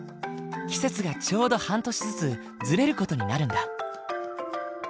季節がちょうど半年ずつずれる事になるんだ。